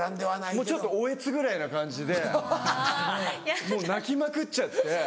もうおえつぐらいな感じでもう泣きまくっちゃって。